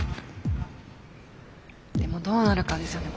でもどうなるかですよね